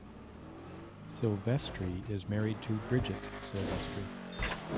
Silvestri is married to Bridget Silvestri.